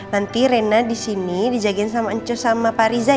nanti reina disini dijagain sama enco sama pak riza ya